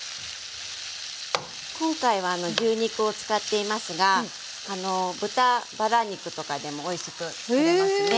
今回は牛肉を使っていますが豚バラ肉とかでもおいしくつくれますね。